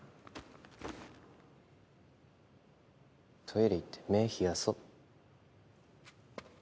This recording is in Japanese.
トイレ行って目冷やそう。